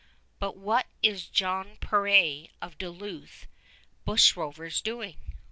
But what is Jan Peré of Duluth's bushrovers doing?